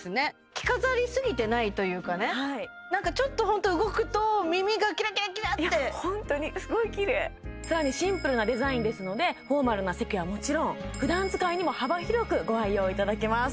着飾りすぎてないというかねなんかちょっとホント動くと耳がキラキラキラってホントにすごいきれい更にシンプルなデザインですのでフォーマルな席はもちろんふだん使いにも幅広くご愛用いただけます